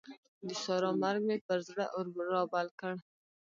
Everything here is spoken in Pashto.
د سارا مرګ مې پر زړه اور رابل کړ.